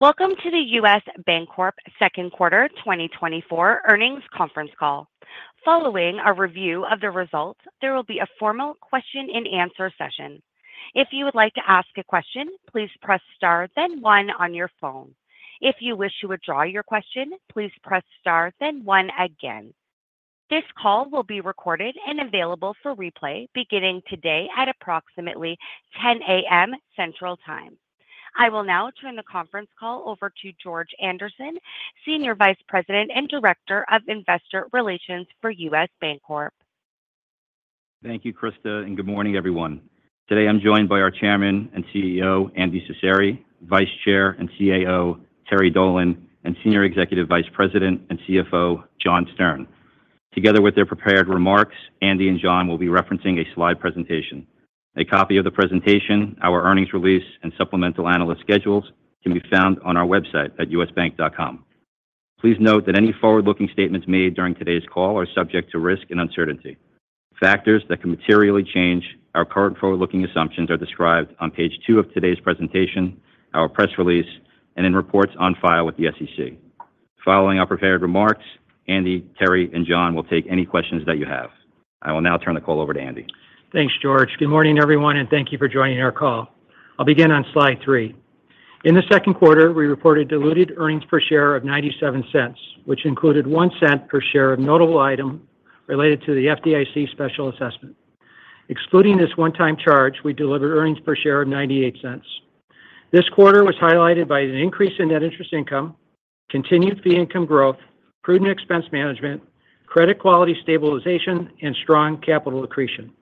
Welcome to the U.S. Bancorp Second Quarter 2024 Earnings Conference Call. Following a review of the results, there will be a formal question and answer session. If you would like to ask a question, please press star, then one on your phone. If you wish to withdraw your question, please press star, then one again. This call will be recorded and available for replay beginning today at approximately 10 A.M. Central Time. I will now turn the conference call over to George Andersen, Senior Vice President and Director of Investor Relations for U.S. Bancorp. Thank you, Krista, and good morning, everyone. Today, I'm joined by our Chairman and CEO, Andy Cecere, Vice Chair and CAO, Terry Dolan, and Senior Executive Vice President and CFO, John Stern. Together with their prepared remarks, Andy and John will be referencing a slide presentation. A copy of the presentation, our earnings release, and supplemental analyst schedules can be found on our website at usbank.com. Please note that any forward-looking statements made during today's call are subject to risk and uncertainty. Factors that can materially change our current forward-looking assumptions are described on page two of today's presentation, our press release, and in reports on file with the SEC. Following our prepared remarks, Andy, Terry, and John will take any questions that you have. I will now turn the call over to Andy. Thanks, George. Good morning, everyone, and thank you for joining our call. I'll begin on Slide 3. In the second quarter, we reported diluted earnings per share of $0.97, which included $0.01 per share of notable item related to the FDIC special assessment. Excluding this one-time charge, we delivered earnings per share of $0.98. This quarter was highlighted by an increase in net interest income, continued fee income growth, prudent expense management, credit quality stabilization, and strong capital accretion.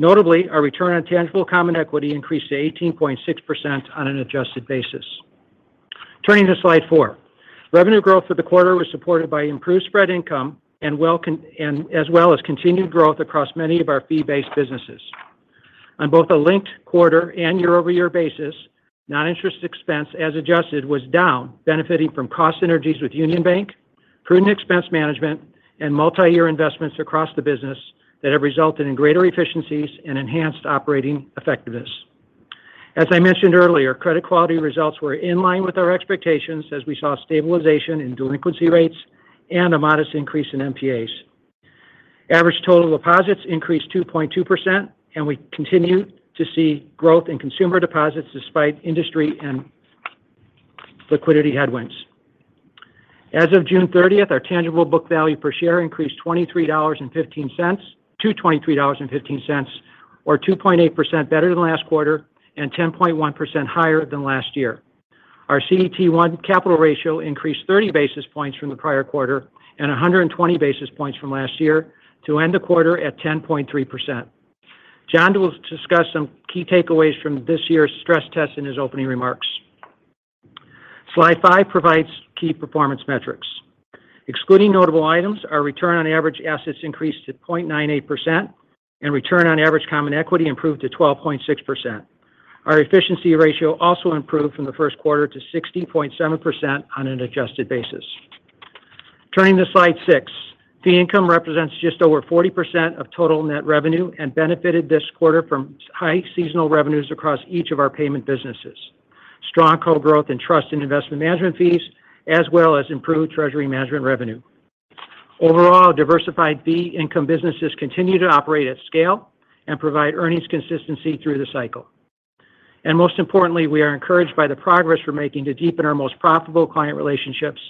Notably, our return on tangible common equity increased to 18.6% on an adjusted basis. Turning to Slide 4. Revenue growth for the quarter was supported by improved spread income as well as continued growth across many of our fee-based businesses. On both a linked quarter and year-over-year basis, non-interest expense, as adjusted, was down, benefiting from cost synergies with Union Bank, prudent expense management, and multi-year investments across the business that have resulted in greater efficiencies and enhanced operating effectiveness. As I mentioned earlier, credit quality results were in line with our expectations as we saw stabilization in delinquency rates and a modest increase in NPAs. Average total deposits increased 2.2%, and we continued to see growth in consumer deposits despite industry and liquidity headwinds. As of June 30th, our tangible book value per share increased $23.15 to $23.15, or 2.8% better than last quarter and 10.1% higher than last year. Our CET1 capital ratio increased 30 basis points from the prior quarter and 120 basis points from last year to end the quarter at 10.3%. John will discuss some key takeaways from this year's stress test in his opening remarks. Slide 5 provides key performance metrics. Excluding notable items, our return on average assets increased to 0.98%, and return on average common equity improved to 12.6%. Our efficiency ratio also improved from the first quarter to 16.7% on an adjusted basis. Turning to Slide 6. Fee income represents just over 40% of total net revenue and benefited this quarter from high seasonal revenues across each of our payment businesses. Strong core growth in trust and investment management fees, as well as improved treasury management revenue. Overall, diversified fee income businesses continue to operate at scale and provide earnings consistency through the cycle. Most importantly, we are encouraged by the progress we're making to deepen our most profitable client relationships,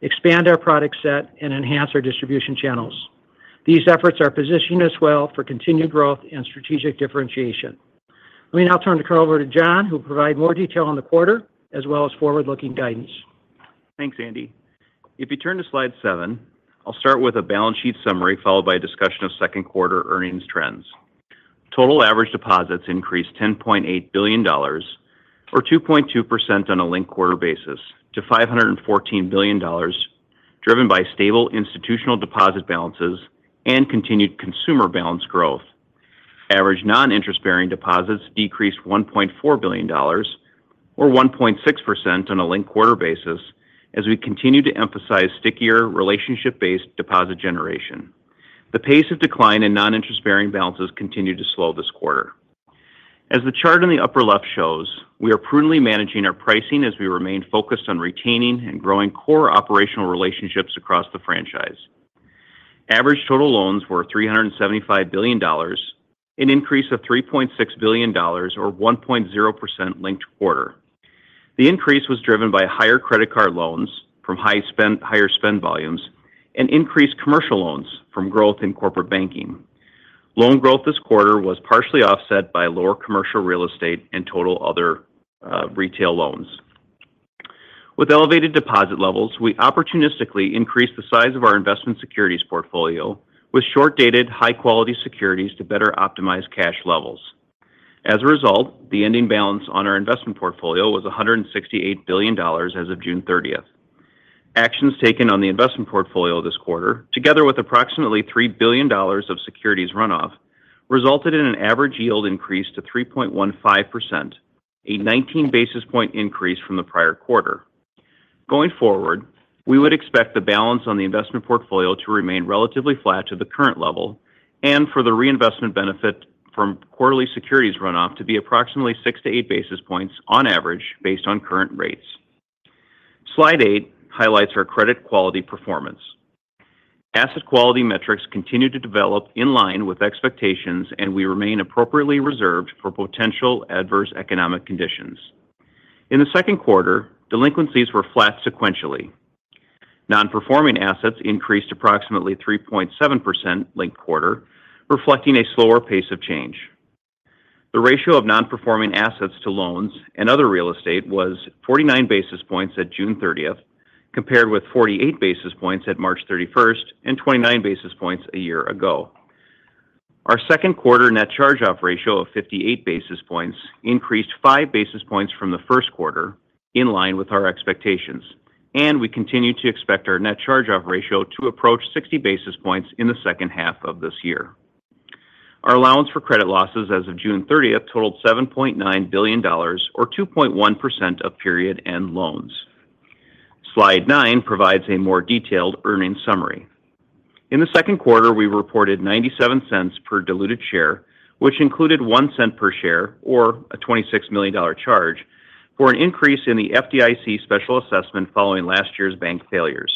expand our product set, and enhance our distribution channels. These efforts are positioning us well for continued growth and strategic differentiation. Let me now turn the call over to John, who will provide more detail on the quarter as well as forward-looking guidance. Thanks, Andy. If you turn to Slide 7, I'll start with a balance sheet summary, followed by a discussion of second quarter earnings trends. Total average deposits increased $10.8 billion, or 2.2% on a linked-quarter basis, to $514 billion, driven by stable institutional deposit balances and continued consumer balance growth. Average non-interest-bearing deposits decreased $1.4 billion, or 1.6% on a linked-quarter basis, as we continue to emphasize stickier, relationship-based deposit generation. The pace of decline in non-interest-bearing balances continued to slow this quarter. As the chart in the upper left shows, we are prudently managing our pricing as we remain focused on retaining and growing core operational relationships across the franchise. Average total loans were $375 billion, an increase of $3.6 billion or 1.0% linked quarter. The increase was driven by higher credit card loans from high spend, higher spend volumes and increased commercial loans from growth in corporate banking. Loan growth this quarter was partially offset by lower commercial real estate and total other, retail loans. With elevated deposit levels, we opportunistically increased the size of our investment securities portfolio with short-dated, high-quality securities to better optimize cash levels. As a result, the ending balance on our investment portfolio was $168 billion as of June 30. Actions taken on the investment portfolio this quarter, together with approximately $3 billion of securities runoff, resulted in an average yield increase to 3.15%, a 19 basis point increase from the prior quarter. Going forward, we would expect the balance on the investment portfolio to remain relatively flat to the current level, and for the reinvestment benefit from quarterly securities runoff to be approximately 6-8 basis points on average based on current rates. Slide 8 highlights our credit quality performance. Asset quality metrics continue to develop in line with expectations, and we remain appropriately reserved for potential adverse economic conditions. In the second quarter, delinquencies were flat sequentially. Non-performing assets increased approximately 3.7% linked quarter, reflecting a slower pace of change. The ratio of non-performing assets to loans and other real estate was 49 basis points at June thirtieth, compared with 48 basis points at March 31st, and 29 basis points a year ago. Our second quarter net charge-off ratio of 58 basis points increased 5 basis points from the first quarter, in line with our expectations, and we continue to expect our net charge-off ratio to approach 60 basis points in the second half of this year. Our allowance for credit losses as of June thirtieth totaled $7.9 billion, or 2.1% of period end loans. Slide 9 provides a more detailed earnings summary. In the second quarter, we reported 97 cents per diluted share, which included 1 cent per share or a $26 million charge, for an increase in the FDIC special assessment following last year's bank failures.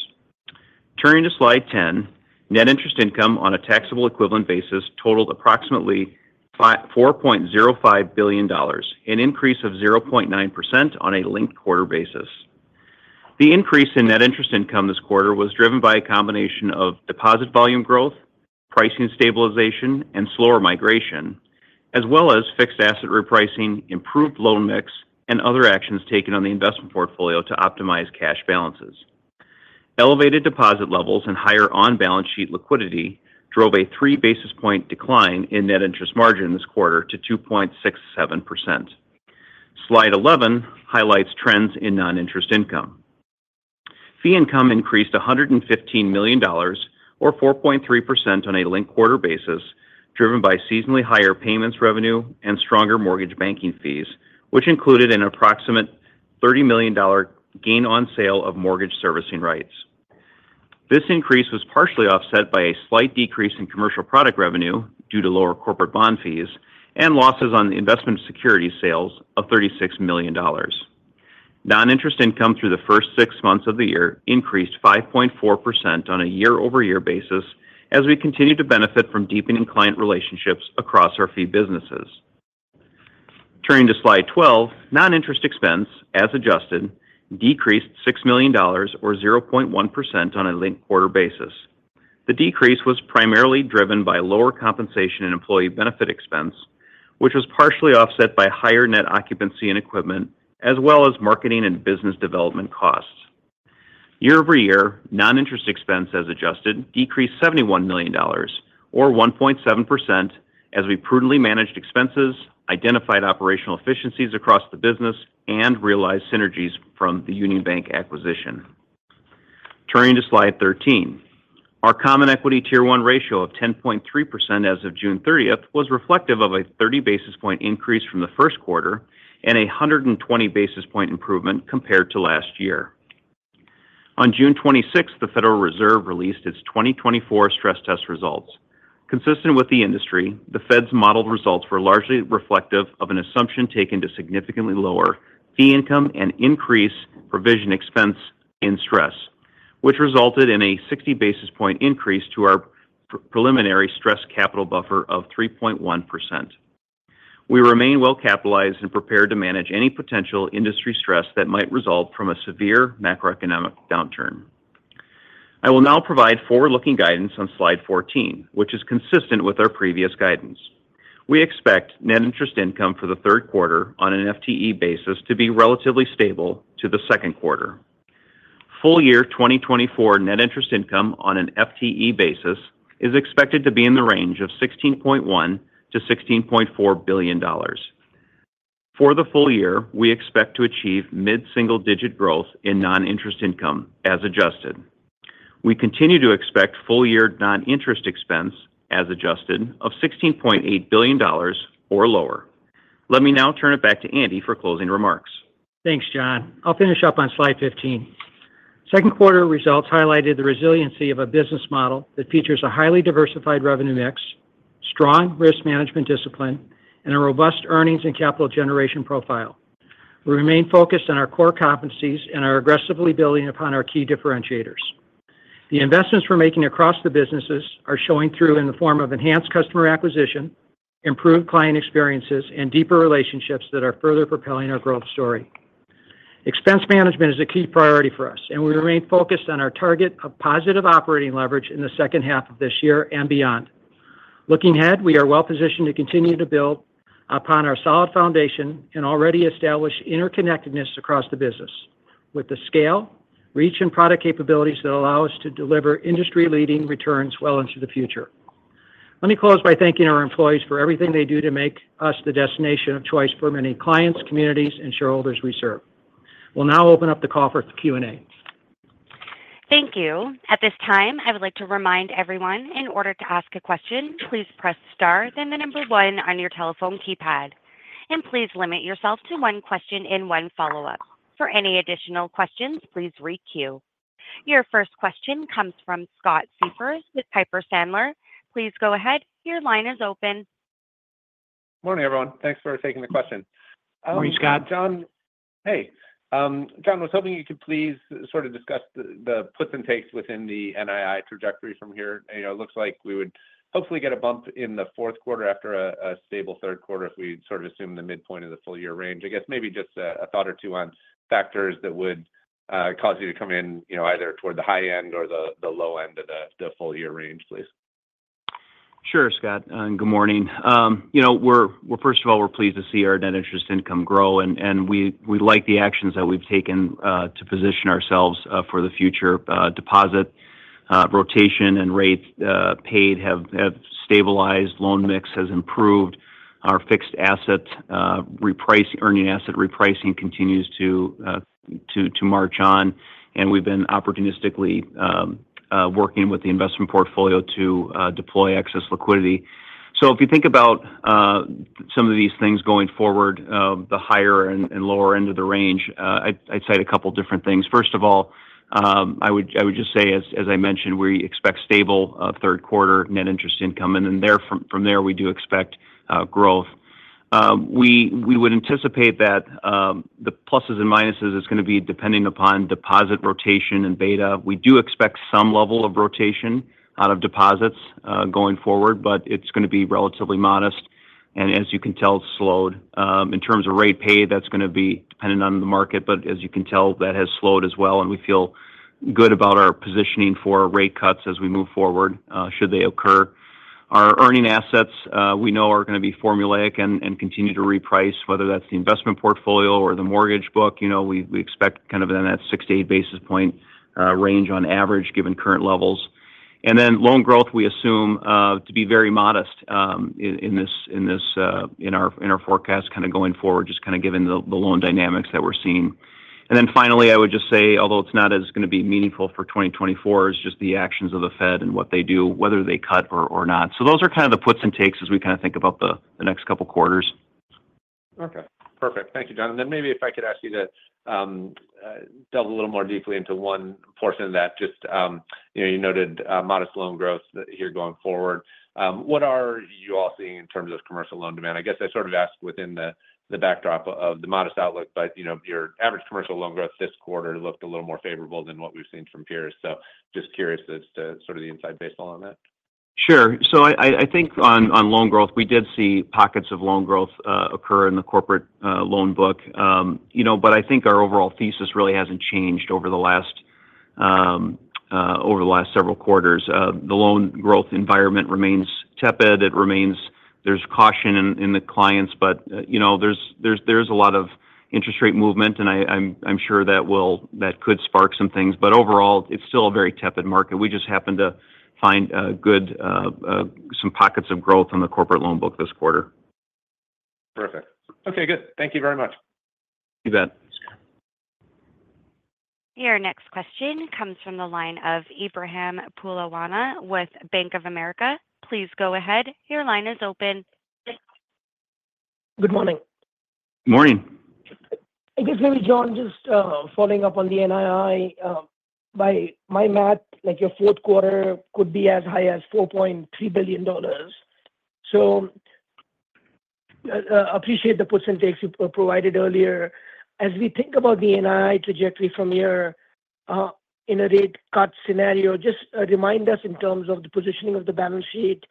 Turning to Slide 10, net interest income on a taxable equivalent basis totaled approximately $4.05 billion, an increase of 0.9% on a linked quarter basis. The increase in net interest income this quarter was driven by a combination of deposit volume growth, pricing stabilization, and slower migration, as well as fixed asset repricing, improved loan mix, and other actions taken on the investment portfolio to optimize cash balances. Elevated deposit levels and higher on-balance sheet liquidity drove a 3 basis point decline in net interest margin this quarter to 2.67%. Slide 11 highlights trends in non-interest income. Fee income increased $115 million, or 4.3% on a linked-quarter basis, driven by seasonally higher payments revenue and stronger mortgage banking fees, which included an approximate $30 million gain on sale of mortgage servicing rights. This increase was partially offset by a slight decrease in commercial product revenue due to lower corporate bond fees and losses on investment security sales of $36 million. Non-interest income through the first six months of the year increased 5.4% on a year-over-year basis as we continue to benefit from deepening client relationships across our fee businesses. Turning to Slide 12, non-interest expense, as adjusted, decreased $6 million, or 0.1% on a linked quarter basis. The decrease was primarily driven by lower compensation and employee benefit expense, which was partially offset by higher net occupancy and equipment, as well as marketing and business development costs. Year-over-year, non-interest expense, as adjusted, decreased $71 million, or 1.7%, as we prudently managed expenses, identified operational efficiencies across the business, and realized synergies from the Union Bank acquisition. Turning to Slide 13. Our Common Equity Tier 1 ratio of 10.3% as of June 30th was reflective of a 30 basis point increase from the first quarter and a 120 basis point improvement compared to last year. On June 26th, the Federal Reserve released its 2024 stress test results. Consistent with the industry, the Fed's modeled results were largely reflective of an assumption taken to significantly lower fee income and increase provision expense in stress, which resulted in a 60 basis point increase to our preliminary stress capital buffer of 3.1%. We remain well capitalized and prepared to manage any potential industry stress that might result from a severe macroeconomic downturn. I will now provide forward-looking guidance on Slide 14, which is consistent with our previous guidance. We expect net interest income for the third quarter on an FTE basis to be relatively stable to the second quarter. Full year 2024 net interest income on an FTE basis is expected to be in the range of $16.1 billion-$16.4 billion. For the full year, we expect to achieve mid-single-digit growth in non-interest income as adjusted. We continue to expect full year non-interest expense, as adjusted, of $16.8 billion or lower. Let me now turn it back to Andy for closing remarks. Thanks, John. I'll finish up on Slide 15. Second quarter results highlighted the resiliency of a business model that features a highly diversified revenue mix, strong risk management discipline, and a robust earnings and capital generation profile. We remain focused on our core competencies and are aggressively building upon our key differentiators. The investments we're making across the businesses are showing through in the form of enhanced customer acquisition, improved client experiences, and deeper relationships that are further propelling our growth story. Expense management is a key priority for us, and we remain focused on our target of positive operating leverage in the second half of this year and beyond. Looking ahead, we are well positioned to continue to build upon our solid foundation and already established interconnectedness across the business, with the scale, reach, and product capabilities that allow us to deliver industry-leading returns well into the future. Let me close by thanking our employees for everything they do to make us the destination of choice for many clients, communities, and shareholders we serve. We'll now open up the call for Q&A. Thank you. At this time, I would like to remind everyone, in order to ask a question, please press star, then the number one on your telephone keypad. Please limit yourself to one question and one follow-up. For any additional questions, please re-queue. Your first question comes from Scott Siefers with Piper Sandler. Please go ahead. Your line is open. Morning, everyone. Thanks for taking the question. Morning, Scott. John. Hey, John, I was hoping you could please sort of discuss the puts and takes within the NII trajectory from here. You know, it looks like we would hopefully get a bump in the fourth quarter after a stable third quarter if we'd sort of assume the midpoint of the full year range. I guess maybe just a thought or two on factors that would cause you to come in, you know, either toward the high end or the low end of the full year range, please. Sure, Scott, and good morning. You know, we're first of all pleased to see our net interest income grow, and we like the actions that we've taken to position ourselves for the future. Deposit rotation and rates paid have stabilized, loan mix has improved. Our fixed asset repricing, earning asset repricing continues to march on, and we've been opportunistically working with the investment portfolio to deploy excess liquidity. So if you think about some of these things going forward, the higher and lower end of the range, I'd cite a couple different things. First of all, I would just say as I mentioned, we expect stable third quarter net interest income, and then from there, we do expect growth. We would anticipate that the pluses and minuses is gonna be depending upon deposit rotation and beta. We do expect some level of rotation out of deposits going forward, but it's gonna be relatively modest, and as you can tell, it's slowed. In terms of rate paid, that's gonna be dependent on the market, but as you can tell, that has slowed as well, and we feel good about our positioning for rate cuts as we move forward should they occur. Our earning assets we know are gonna be formulaic and continue to reprice, whether that's the investment portfolio or the mortgage book. You know, we expect kind of in that 6-8 basis point range on average, given current levels. And then, loan growth, we assume, to be very modest, in this, in our forecast, kind of going forward, just kind of given the loan dynamics that we're seeing. And then finally, I would just say, although it's not as gonna be meaningful for 2024, is just the actions of the Fed and what they do, whether they cut or not. So those are kind of the puts and takes as we kind of think about the next couple quarters. Okay. Perfect. Thank you, John. And then maybe if I could ask you to delve a little more deeply into one portion of that. Just, you know, you noted modest loan growth here going forward. What are you all seeing in terms of commercial loan demand? I guess I sort of asked within the backdrop of the modest outlook, but, you know, your average commercial loan growth this quarter looked a little more favorable than what we've seen from peers. So just curious as to sort of the insight based on that. Sure. So I think on loan growth, we did see pockets of loan growth occur in the corporate loan book. You know, but I think our overall thesis really hasn't changed over the last several quarters. The loan growth environment remains tepid. It remains. There's caution in the clients, but you know, there's a lot of interest rate movement, and I'm sure that could spark some things, but overall, it's still a very tepid market. We just happen to find some pockets of growth on the corporate loan book this quarter. Perfect. Okay, good. Thank you very much. You bet. Your next question comes from the line of Ebrahim Poonawala with Bank of America. Please go ahead. Your line is open. Good morning. Morning. I guess maybe, John, just, following up on the NII. By my math, like, your fourth quarter could be as high as $4.3 billion. So, appreciate the puts and takes you provided earlier. As we think about the NII trajectory from here, in a rate cut scenario, just, remind us in terms of the positioning of the balance sheet,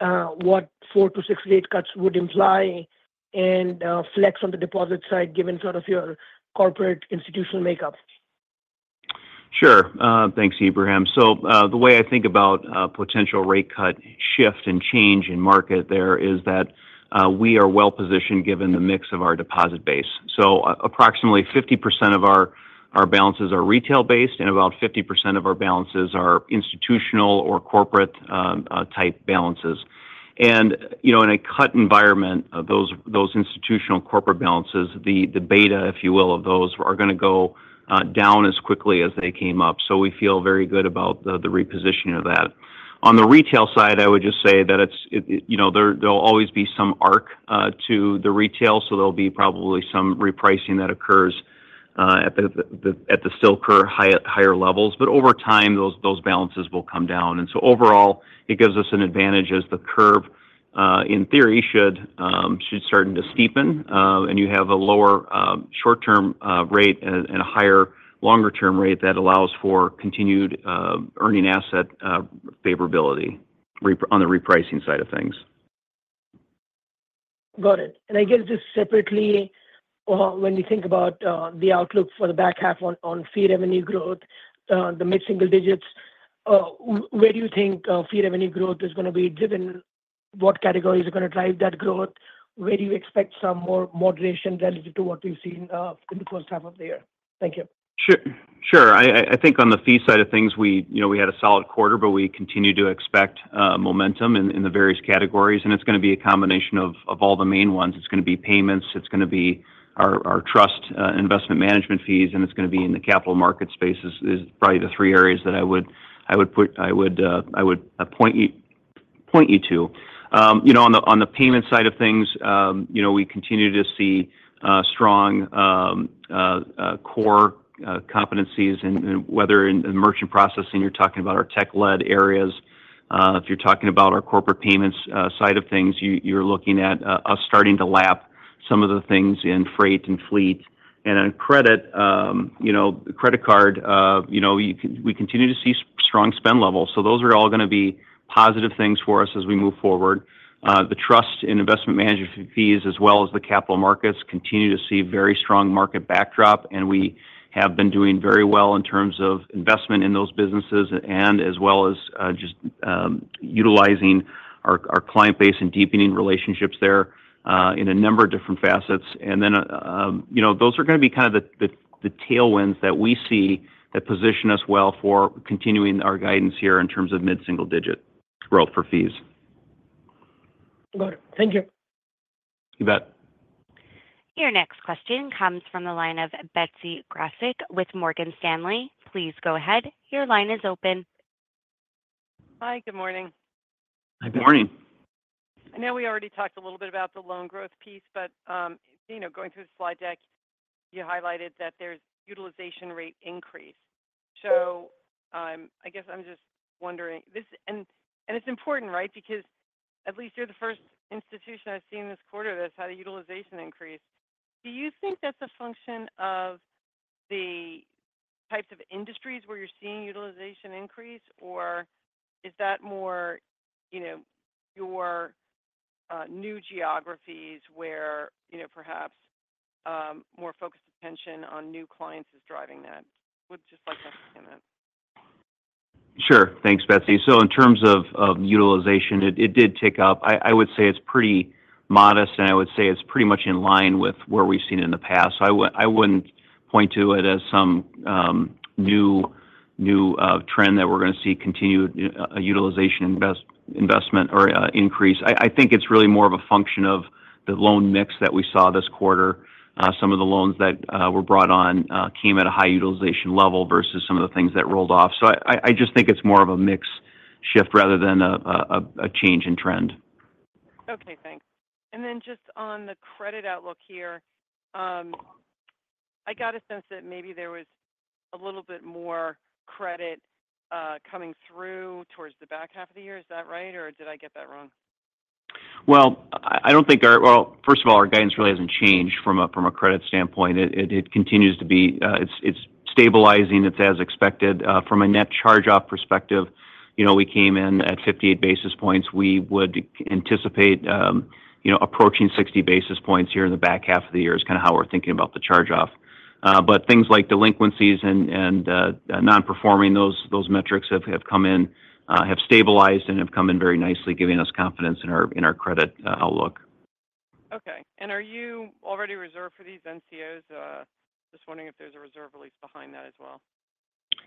what 4-6 rate cuts would imply, and, flex on the deposit side, given sort of your corporate institutional makeup. Sure. Thanks, Ebrahim. So, the way I think about a potential rate cut shift and change in market there is that, we are well-positioned, given the mix of our deposit base. So approximately 50% of our balances are retail-based, and about 50% of our balances are institutional or corporate type balances. And, you know, in a cut environment, those institutional corporate balances, the beta, if you will, of those, are gonna go down as quickly as they came up. So we feel very good about the repositioning of that. On the retail side, I would just say that it's you know there'll always be some arc to the retail, so there'll be probably some repricing that occurs at the still higher levels, but over time, those balances will come down. And so overall, it gives us an advantage as the curve in theory should start to steepen. And you have a lower short-term rate and a higher longer-term rate that allows for continued earning asset favorability rep- on the repricing side of things. Got it. And I guess just separately, when you think about the outlook for the back half on fee revenue growth, the mid-single digits, where do you think fee revenue growth is gonna be, given what categories are gonna drive that growth? Where do you expect some more moderation relative to what we've seen in the first half of the year? Thank you. Sure. Sure. I think on the fee side of things, you know, we had a solid quarter, but we continue to expect momentum in the various categories, and it's gonna be a combination of all the main ones. It's gonna be payments, it's gonna be our trust investment management fees, and it's gonna be in the capital market spaces, is probably the three areas that I would point you to. You know, on the payment side of things, you know, we continue to see strong core competencies and whether in the merchant processing, you're talking about our tech-led areas. If you're talking about our corporate payments side of things, you're looking at us starting to lap some of the things in freight and fleet. And on credit, you know, credit card, you know, we continue to see strong spend levels. So those are all going to be positive things for us as we move forward. The trust in investment management fees, as well as the capital markets, continue to see very strong market backdrop, and we have been doing very well in terms of investment in those businesses, and as well as just utilizing our client base and deepening relationships there in a number of different facets. Then, you know, those are going to be kind of the tailwinds that we see that position us well for continuing our guidance here in terms of mid-single digit growth for fees. Got it. Thank you. You bet. Your next question comes from the line of Betsy Graseck with Morgan Stanley. Please go ahead. Your line is open. Hi, good morning. Hi, good morning. I know we already talked a little bit about the loan growth piece, but, you know, going through the slide deck, you highlighted that there's utilization rate increase. So, I guess I'm just wondering, this and, and it's important, right? Because at least you're the first institution I've seen this quarter that's had a utilization increase. Do you think that's a function of the types of industries where you're seeing utilization increase, or is that more, you know, your new geographies where, you know, perhaps more focused attention on new clients is driving that? Would just like to understand that. Sure. Thanks, Betsy. So in terms of utilization, it did tick up. I would say it's pretty modest, and I would say it's pretty much in line with where we've seen it in the past. I wouldn't point to it as some new trend that we're going to see continued utilization, investment or increase. I think it's really more of a function of the loan mix that we saw this quarter. Some of the loans that were brought on came at a high utilization level versus some of the things that rolled off. So I just think it's more of a mix shift rather than a change in trend. Okay, thanks. And then just on the credit outlook here, I got a sense that maybe there was a little bit more credit coming through towards the back half of the year. Is that right, or did I get that wrong? Well, I don't think our. Well, first of all, our guidance really hasn't changed from a credit standpoint. It continues to be, it's stabilizing. It's as expected. From a net charge-off perspective, you know, we came in at 58 basis points. We would anticipate, you know, approaching 60 basis points here in the back half of the year, is kind of how we're thinking about the charge-off. But things like delinquencies and nonperforming, those metrics have come in, have stabilized and have come in very nicely, giving us confidence in our credit outlook. Okay. And are you already reserved for these NCOs? Just wondering if there's a reserve release behind that as well.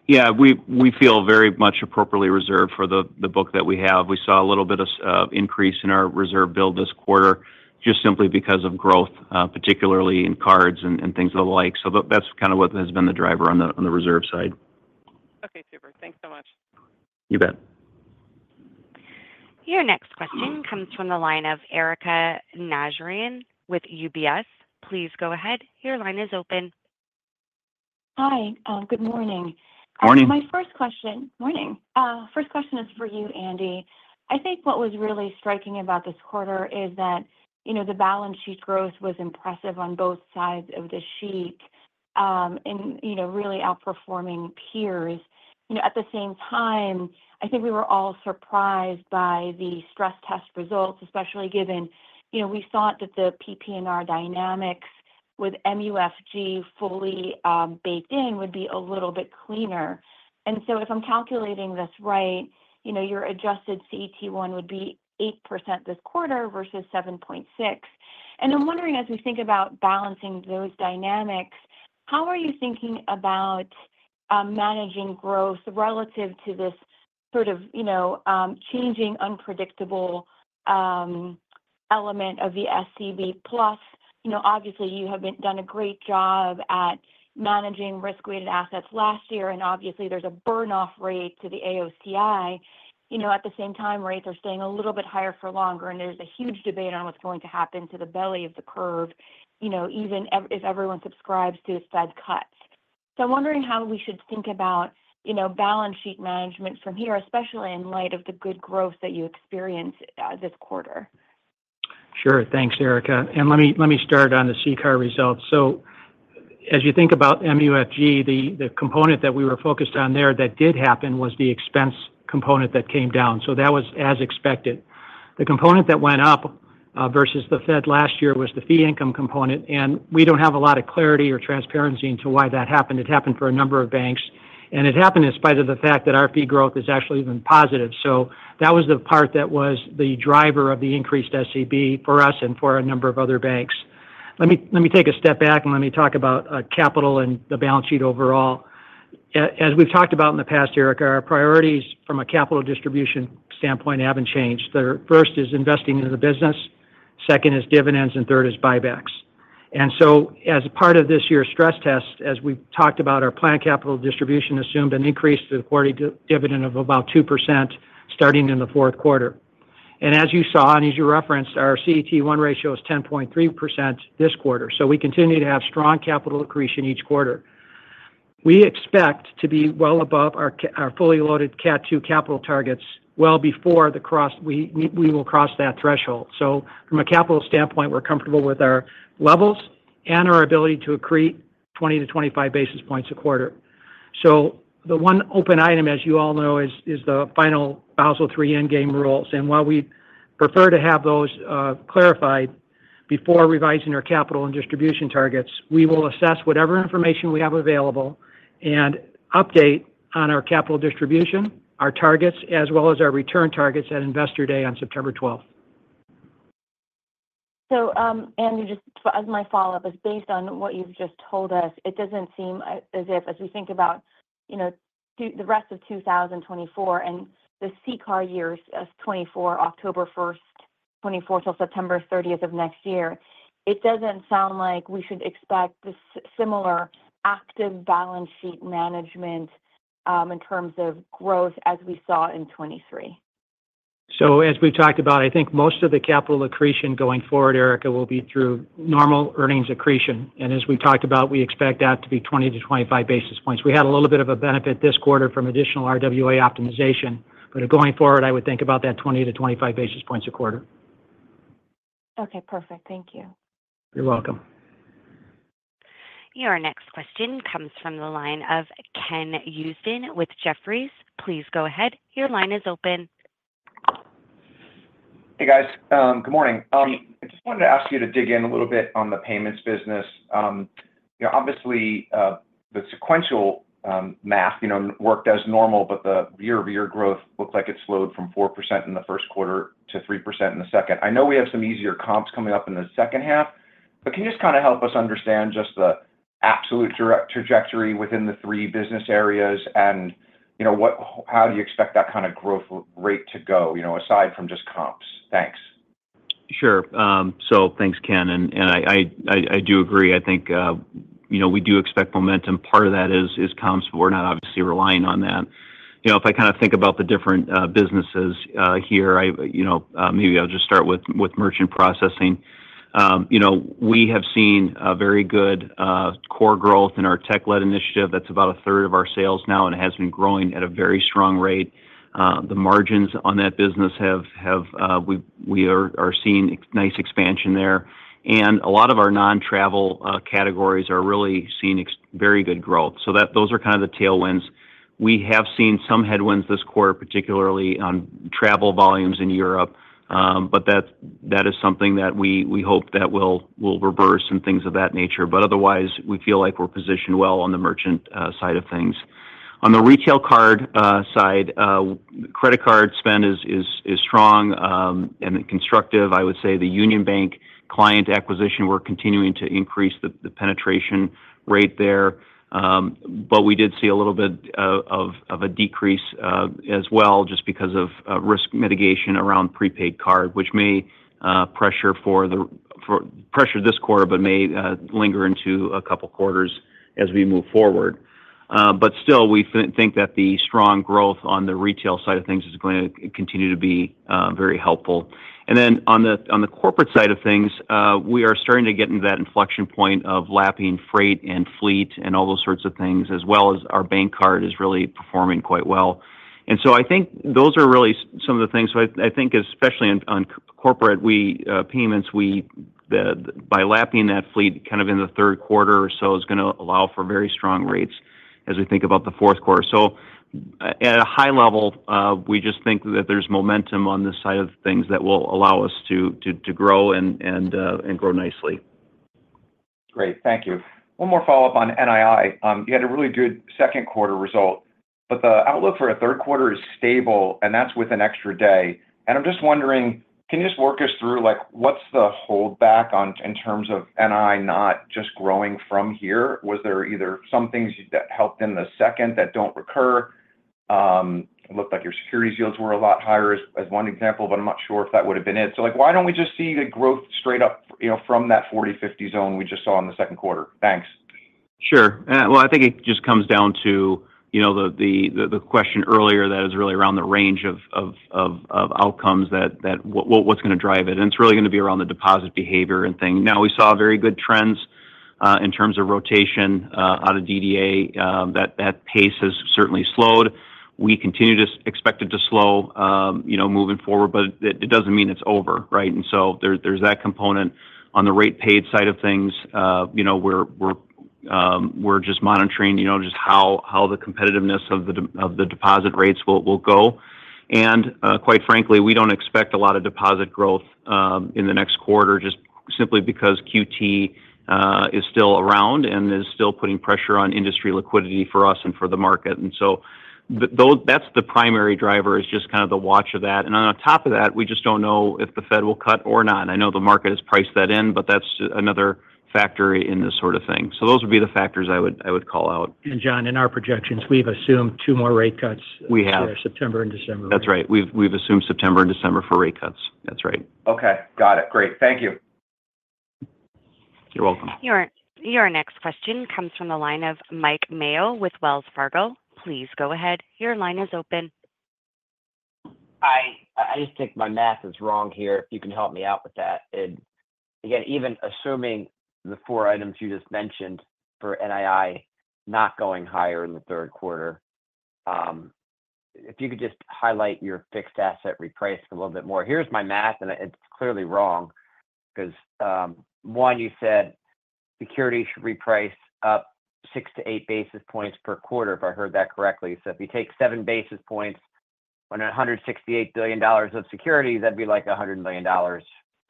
Yeah, we feel very much appropriately reserved for the book that we have. We saw a little bit of increase in our reserve build this quarter, just simply because of growth, particularly in cards and things of the like. So that's kind of what has been the driver on the reserve side. Okay, super. Thanks so much. You bet. Your next question comes from the line of Erika Najarian with UBS. Please go ahead. Your line is open. Hi. Good morning. Morning. My first question. Morning. First question is for you, Andy. I think what was really striking about this quarter is that, you know, the balance sheet growth was impressive on both sides of the sheet, and, you know, really outperforming peers. You know, at the same time, I think we were all surprised by the stress test results, especially given, you know, we thought that the PPNR dynamics with MUFG fully baked in, would be a little bit cleaner. And so if I'm calculating this right, you know, your adjusted CET1 would be 8% this quarter versus 7.6%. And I'm wondering, as we think about balancing those dynamics, how are you thinking about managing growth relative to this sort of, you know, changing, unpredictable element of the SCB plus? You know, obviously, you have done a great job at managing risk-weighted assets last year, and obviously, there's a burn-off rate to the AOCI. You know, at the same time, rates are staying a little bit higher for longer, and there's a huge debate on what's going to happen to the belly of the curve, you know, even if everyone subscribes to the Fed cuts. So I'm wondering how we should think about, you know, balance sheet management from here, especially in light of the good growth that you experienced this quarter. Sure. Thanks, Erika. And let me, let me start on the CCAR results. So as you think about MUFG, the, the component that we were focused on there that did happen was the expense component that came down, so that was as expected. The component that went up versus the Fed last year was the fee income component, and we don't have a lot of clarity or transparency into why that happened. It happened for a number of banks, and it happened in spite of the fact that our fee growth has actually been positive. So that was the part that was the driver of the increased SCB for us and for a number of other banks. Let me, let me take a step back, and let me talk about capital and the balance sheet overall. As we've talked about in the past, Erika, our priorities from a capital distribution standpoint haven't changed. The first is investing in the business, second is dividends, and third is buybacks. And so as part of this year's stress test, as we've talked about, our planned capital distribution assumed an increase to the quarterly dividend of about 2% starting in the fourth quarter. And as you saw, and as you referenced, our CET1 ratio is 10.3% this quarter. So we continue to have strong capital accretion each quarter. We expect to be well above our our fully loaded Cat two capital targets well before the cross we will cross that threshold. So from a capital standpoint, we're comfortable with our levels and our ability to accrete 20-25 basis points a quarter. So the one open item, as you all know, is the final Basel III Endgame rules. While we'd prefer to have those clarified before revising our capital and distribution targets, we will assess whatever information we have available and update on our capital distribution, our targets, as well as our return targets at Investor Day on September 12th. So, Andy, just as my follow-up, is based on what you've just told us, it doesn't seem as if, as we think about, you know, the rest of 2024 and the CCAR years as 2024, October 1st, 2024 till September 30th of next year, it doesn't sound like we should expect the similar active balance sheet management, in terms of growth as we saw in 2023. As we've talked about, I think most of the capital accretion going forward, Erika, will be through normal earnings accretion. As we talked about, we expect that to be 20-25 basis points. We had a little bit of a benefit this quarter from additional RWA optimization, but going forward, I would think about that 20-25 basis points a quarter. Okay, perfect. Thank you. You're welcome. Your next question comes from the line of Ken Usdin with Jefferies. Please go ahead. Your line is open. Hey, guys. Good morning. I just wanted to ask you to dig in a little bit on the payments business. You know, obviously, the sequential math, you know, worked as normal, but the year-over-year growth looked like it slowed from 4% in the first quarter to 3% in the second. I know we have some easier comps coming up in the second half, but can you just kind of help us understand just the absolute trajectory within the three business areas? And, you know, how do you expect that kind of growth rate to go, you know, aside from just comps? Thanks. Sure. So thanks, Ken, and I do agree. I think, you know, we do expect momentum. Part of that is comps, but we're not obviously relying on that. You know, if I kind of think about the different businesses here, you know, maybe I'll just start with merchant processing. You know, we have seen a very good core growth in our tech-led initiative. That's about a third of our sales now, and it has been growing at a very strong rate. The margins on that business have we are seeing nice expansion there. And a lot of our non-travel categories are really seeing very good growth. So that those are kind of the tailwinds. We have seen some headwinds this quarter, particularly on travel volumes in Europe, but that is something that we hope that will reverse and things of that nature. But otherwise, we feel like we're positioned well on the merchant side of things. On the retail card side, credit card spend is strong and constructive. I would say the Union Bank client acquisition, we're continuing to increase the penetration rate there, but we did see a little bit of a decrease as well, just because of risk mitigation around prepaid card, which may pressure this quarter, but may linger into a couple of quarters as we move forward. But still, we think that the strong growth on the retail side of things is going to continue to be very helpful. And then on the, on the corporate side of things, we are starting to get into that inflection point of lapping freight and fleet and all those sorts of things, as well as our bank card is really performing quite well. And so I think those are really some of the things. So I think, especially on corporate, we payments, we by lapping that fleet kind of in the third quarter or so is gonna allow for very strong rates as we think about the fourth quarter. At a high level, we just think that there's momentum on this side of things that will allow us to grow and grow nicely. Great. Thank you. One more follow-up on NII. You had a really good second quarter result, but the outlook for a third quarter is stable, and that's with an extra day. I'm just wondering, can you just walk us through, like, what's the holdback on, in terms of NII not just growing from here? Was there either some things that helped in the second that don't recur? It looked like your securities yields were a lot higher, as, as one example, but I'm not sure if that would have been it. So, like, why don't we just see the growth straight up, you know, from that 40-50 zone we just saw in the second quarter? Thanks. Sure. Well, I think it just comes down to, you know, the question earlier that is really around the range of outcomes that—what's going to drive it? And it's really going to be around the deposit behavior and thing. Now, we saw very good trends in terms of rotation out of DDA. That pace has certainly slowed. We continue to expect it to slow, you know, moving forward, but it doesn't mean it's over, right? And so there, there's that component. On the rate paid side of things, you know, we're just monitoring, you know, just how the competitiveness of the deposit rates will go. Quite frankly, we don't expect a lot of deposit growth in the next quarter, just simply because QT is still around and is still putting pressure on industry liquidity for us and for the market. So that's the primary driver, is just kind of the watch of that. And then on top of that, we just don't know if the Fed will cut or not. I know the market has priced that in, but that's another factor in this sort of thing. So those would be the factors I would call out. John, in our projections, we've assumed two more rate cuts- We have ...September and December. That's right. We've assumed September and December for rate cuts. That's right. Okay. Got it. Great. Thank you. ..You're welcome. Your next question comes from the line of Mike Mayo with Wells Fargo. Please go ahead. Your line is open. I just think my math is wrong here, if you can help me out with that. Again, even assuming the four items you just mentioned for NII not going higher in the third quarter, if you could just highlight your fixed asset reprice a little bit more. Here's my math, and it's clearly wrong 'cause one, you said securities should reprice up 6-8 basis points per quarter, if I heard that correctly. So if you take 7 basis points on $168 billion of securities, that'd be like $100 million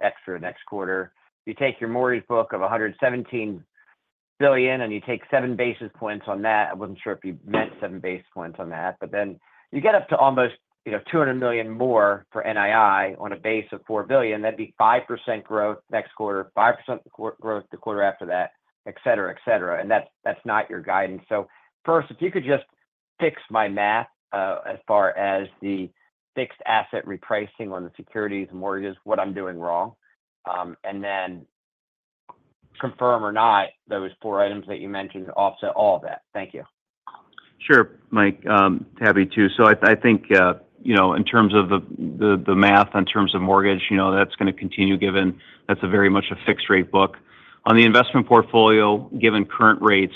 extra next quarter. If you take your mortgage book of $117 billion, and you take 7 basis points on that, I wasn't sure if you meant 7 basis points on that. But then you get up to almost, you know, $200 million more for NII on a base of $4 billion, that'd be 5% growth next quarter, 5% growth the quarter after that, et cetera, et cetera, and that's not your guidance. So first, if you could just fix my math, as far as the fixed asset repricing on the securities and mortgages, what I'm doing wrong, and then confirm or not those four items that you mentioned to offset all of that. Thank you. Sure, Mike, happy to. So I think, you know, in terms of the math, in terms of mortgage, you know, that's gonna continue, given that's a very much a fixed rate book. On the investment portfolio, given current rates,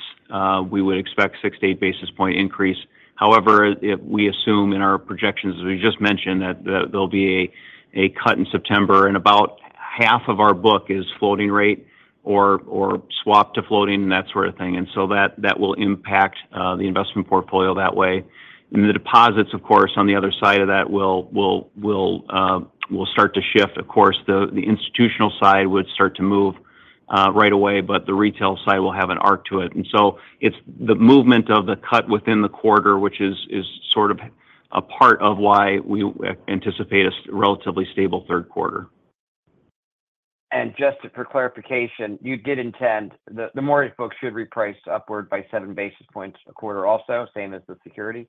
we would expect 6-8 basis point increase. However, if we assume in our projections, as we just mentioned, that there'll be a cut in September, and about half of our book is floating rate or swapped to floating and that sort of thing. And so that will impact the investment portfolio that way. And the deposits, of course, on the other side of that will start to shift. Of course, the institutional side would start to move right away, but the retail side will have an arc to it. And so it's the movement of the cut within the quarter, which is sort of a part of why we anticipate a relatively stable third quarter. Just for clarification, you'd get the mortgage book should reprice upward by seven basis points a quarter also, same as the security?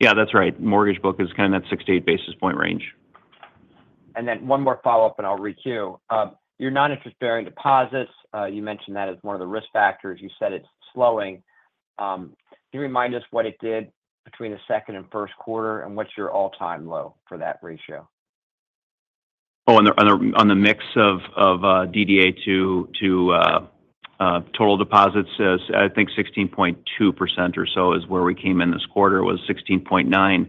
Yeah, that's right. Mortgage book is kind of that 6-8 basis point range. And then one more follow-up, and I'll requeue. Your non-interest bearing deposits, you mentioned that as one of the risk factors. You said it's slowing. Can you remind us what it did between the second and first quarter, and what's your all-time low for that ratio? Oh, on the mix of DDA to total deposits is, I think 16.2% or so is where we came in this quarter. It was 16.9%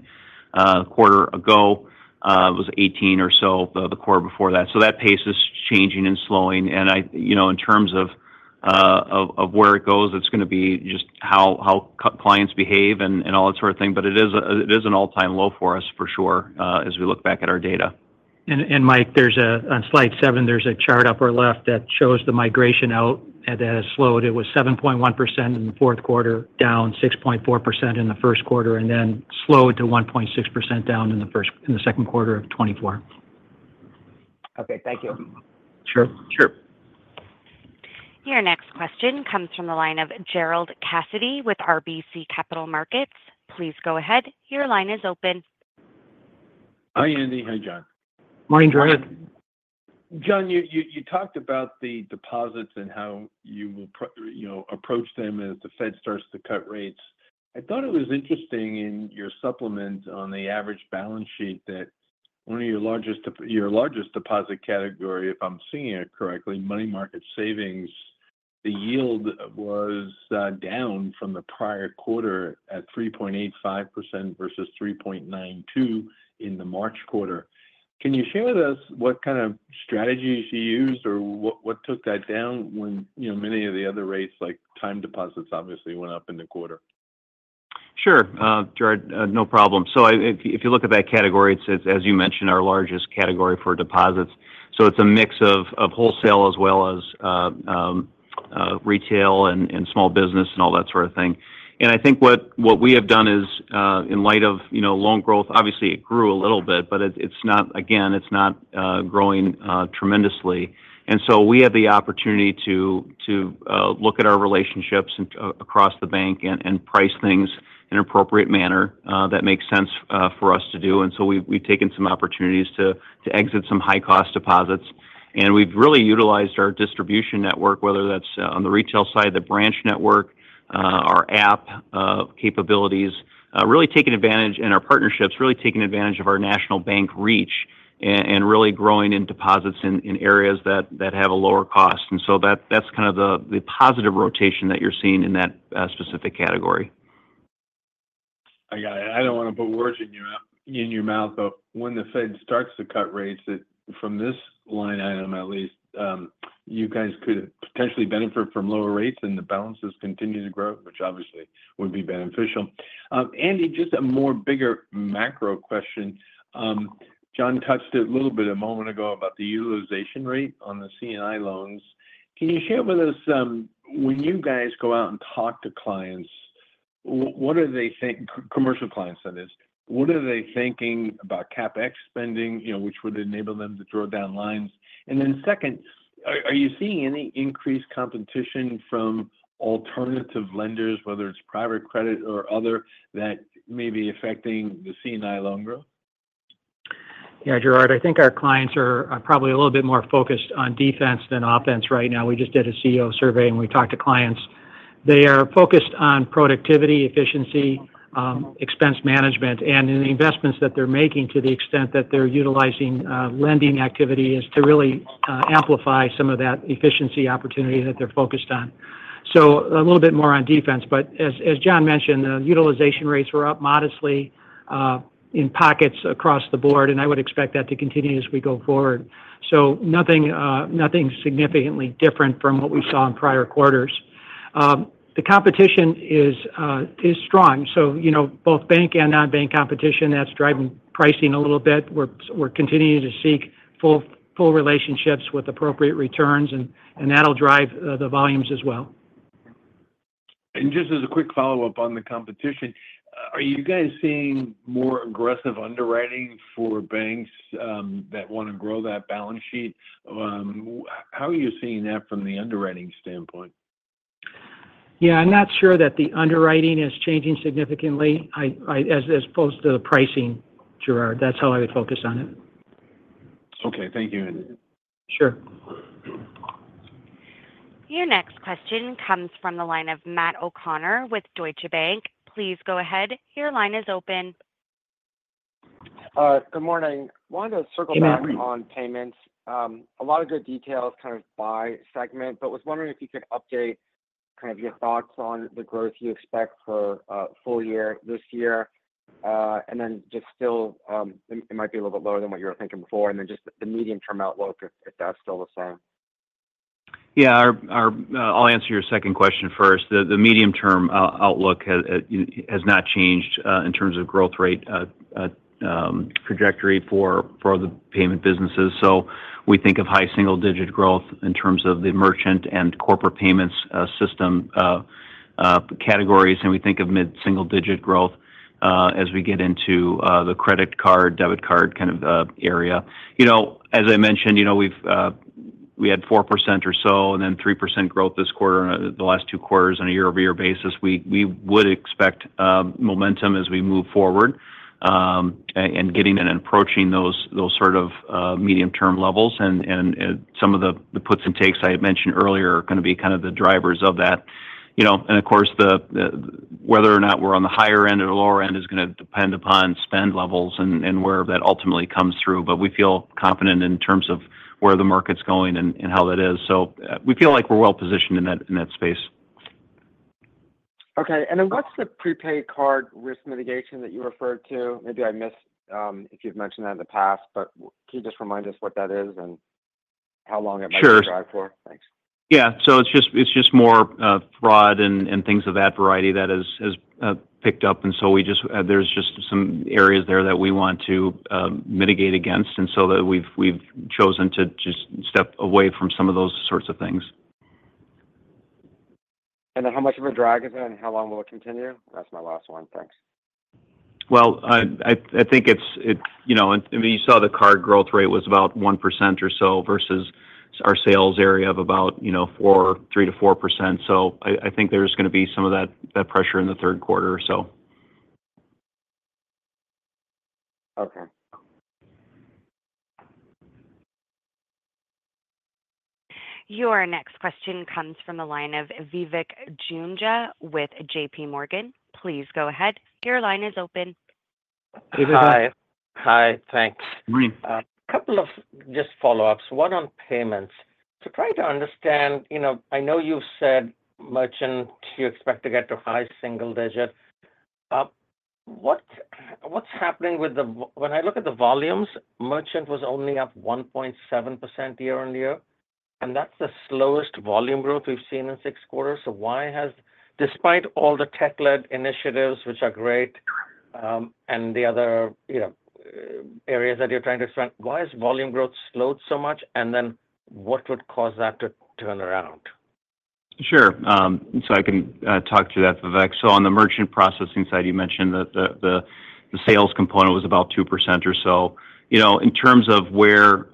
a quarter ago. It was 18% or so the quarter before that. So that pace is changing and slowing, and I, you know, in terms of where it goes, it's gonna be just how clients behave and all that sort of thing. But it is an all-time low for us, for sure, as we look back at our data. Mike, there's a chart upper left on slide seven that shows the migration out, and that has slowed. It was 7.1% in the fourth quarter, down 6.4% in the first quarter, and then slowed to 1.6% down in the second quarter of 2024. Okay. Thank you. Sure. Sure. Your next question comes from the line of Gerard Cassidy with RBC Capital Markets. Please go ahead. Your line is open. Hi, Andy. Hi, John. Morning, Gerard. John, you talked about the deposits and how you will, you know, approach them as the Fed starts to cut rates. I thought it was interesting in your supplement on the average balance sheet that one of your largest, your largest deposit category, if I'm seeing it correctly, money market savings, the yield was down from the prior quarter at 3.85% versus 3.92% in the March quarter. Can you share with us what kind of strategies you used or what took that down when, you know, many of the other rates, like time deposits, obviously went up in the quarter? Sure, Gerard, no problem. So if you look at that category, it's, as you mentioned, our largest category for deposits, so it's a mix of wholesale as well as retail and small business and all that sort of thing. And I think what we have done is, in light of, you know, loan growth, obviously it grew a little bit, but it's not, again, it's not growing tremendously. And so we had the opportunity to look at our relationships across the bank and price things in an appropriate manner that makes sense for us to do. And so we've taken some opportunities to exit some high-cost deposits. We've really utilized our distribution network, whether that's on the retail side, the branch network, our app capabilities, really taking advantage... and our partnerships, really taking advantage of our national bank reach and really growing in deposits in areas that have a lower cost. And so that's kind of the positive rotation that you're seeing in that specific category. I got it. I don't want to put words in your mouth, but when the Fed starts to cut rates, it from this line item, at least, you guys could potentially benefit from lower rates, and the balances continue to grow, which obviously would be beneficial. Andy, just a more bigger macro question. John touched a little bit a moment ago about the utilization rate on the C&I loans. Can you share with us, when you guys go out and talk to clients, commercial clients, that is, what are they thinking about CapEx spending, you know, which would enable them to draw down lines? And then second, are you seeing any increased competition from alternative lenders, whether it's private credit or other, that may be affecting the C&I loan growth? Yeah, Gerard, I think our clients are probably a little bit more focused on defense than offense right now. We just did a CEO survey, and we talked to clients. They are focused on productivity, efficiency, expense management, and in the investments that they're making to the extent that they're utilizing lending activity is to really amplify some of that efficiency opportunity that they're focused on. So a little bit more on defense, but as John mentioned, the utilization rates were up modestly in pockets across the board, and I would expect that to continue as we go forward. So nothing, nothing significantly different from what we saw in prior quarters. The competition is strong. So, you know, both bank and non-bank competition, that's driving pricing a little bit. We're continuing to seek full relationships with appropriate returns, and that'll drive the volumes as well. Just as a quick follow-up on the competition, are you guys seeing more aggressive underwriting for banks that want to grow that balance sheet? How are you seeing that from the underwriting standpoint? Yeah, I'm not sure that the underwriting is changing significantly. I, as opposed to the pricing, Gerard. That's how I would focus on it. Okay, thank you. Sure. Your next question comes from the line of Matt O'Connor with Deutsche Bank. Please go ahead. Your line is open. Good morning. Wanted to circle back- Good morning ...on payments. A lot of good details kind of by segment, but was wondering if you could update kind of your thoughts on the growth you expect for full year this year. And then just still, it might be a little bit lower than what you were thinking before, and then just the medium-term outlook, if that's still the same. Yeah. I'll answer your second question first. The medium-term outlook has not changed in terms of growth rate trajectory for the payment businesses. So we think of high single-digit growth in terms of the merchant and corporate payments system categories, and we think of mid-single digit growth as we get into the credit card, debit card kind of area. You know, as I mentioned, you know, we had 4% or so, and then 3% growth this quarter, the last two quarters on a year-over-year basis. We would expect momentum as we move forward and getting and approaching those sort of medium-term levels, and some of the puts and takes I had mentioned earlier are gonna be kind of the drivers of that. You know, and of course, whether or not we're on the higher end or the lower end is gonna depend upon spend levels and where that ultimately comes through. But we feel confident in terms of where the market's going and how that is. So, we feel like we're well positioned in that space. Okay. And then what's the prepaid card risk mitigation that you referred to? Maybe I missed, if you've mentioned that in the past, but can you just remind us what that is and how long it might- Sure ...drive for? Thanks. Yeah. So it's just, it's just more fraud and things of that variety that has picked up, and so we just... there's just some areas there that we want to mitigate against, and so that we've chosen to just step away from some of those sorts of things. And then how much of a drag is it, and how long will it continue? That's my last one. Thanks. Well, I think it's you know, and I mean, you saw the card growth rate was about 1% or so versus our sales area of about, you know, 3%-4%. So I think there's gonna be some of that pressure in the third quarter or so. Okay. Your next question comes from the line of Vivek Juneja with J.P. Morgan. Please go ahead. Your line is open. Vivek. Hi. Hi, thanks. Good morning. A couple of just follow-ups, one on payments. To try to understand, you know, I know you've said merchant, you expect to get to high single digit. What's happening when I look at the volumes, merchant was only up 1.7% year-on-year, and that's the slowest volume growth we've seen in six quarters. So why has, despite all the tech-led initiatives, which are great, and the other, you know, areas that you're trying to strengthen, why has volume growth slowed so much? And then what would cause that to turn around? Sure. So I can talk to that, Vivek. So on the merchant processing side, you mentioned that the sales component was about 2% or so. You know, in terms of where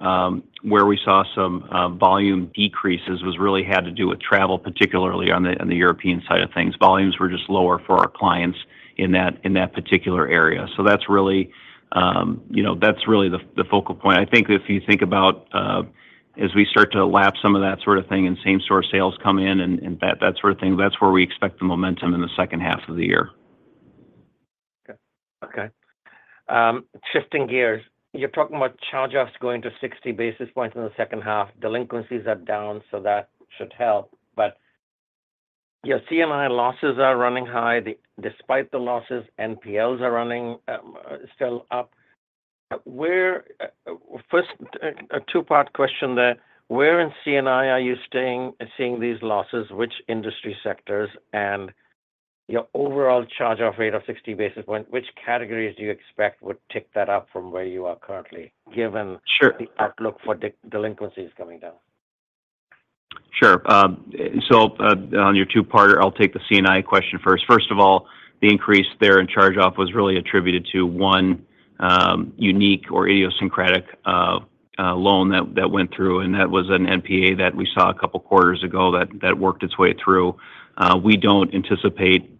we saw some volume decreases was really had to do with travel, particularly on the European side of things. Volumes were just lower for our clients in that particular area. So that's really, you know, that's really the focal point. I think if you think about, as we start to lap some of that sort of thing and same store sales come in and that sort of thing, that's where we expect the momentum in the second half of the year. Okay. Okay. Shifting gears. You're talking about charge-offs going to 60 basis points in the second half. Delinquencies are down, so that should help, but your C&I losses are running high. Despite the losses, NPLs are running still up. Where, first, a two-part question there: where in C&I are you seeing these losses, which industry sectors, and your overall charge-off rate of 60 basis points, which categories do you expect would tick that up from where you are currently, given- Sure ...the outlook for delinquencies coming down? Sure. So, on your two-parter, I'll take the C&I question first. First of all, the increase there in charge-off was really attributed to one unique or idiosyncratic loan that went through, and that was an NPA that we saw a couple quarters ago that worked its way through. We don't anticipate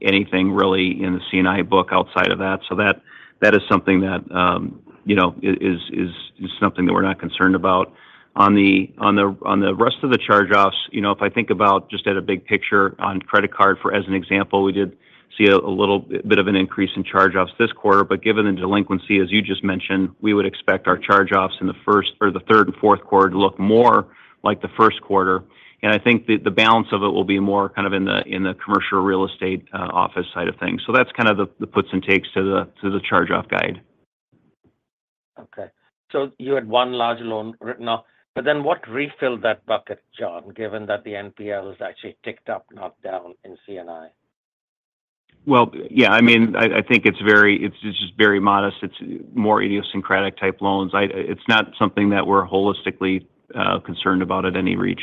anything really in the C&I book outside of that. So that is something that, you know, is something that we're not concerned about. On the rest of the charge-offs, you know, if I think about just at a big picture on credit card for as an example, we did see a little bit of an increase in charge-offs this quarter. But given the delinquency, as you just mentioned, we would expect our charge-offs in the first or the third and fourth quarter to look more like the first quarter. And I think the balance of it will be more kind of in the Commercial Real Estate office side of things. So that's kind of the puts and takes to the charge-off guide. Okay. So you had one large loan written off, but then what refilled that bucket, John, given that the NPLs actually ticked up, not down in C&I? Well, yeah, I mean, I, I think it's very. It's, it's just very modest. It's more idiosyncratic type loans. I, it's not something that we're holistically concerned about at any reach.